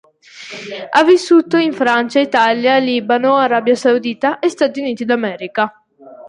Ha vissuto in Francia, Italia, Libano, Arabia Saudita, e Stati Uniti d'America.